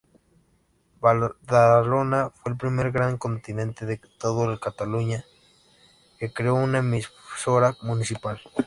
Badalona fue el primer gran continente de todo Cataluña que creó una emisora municipal.